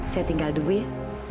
saya tinggal dulu ya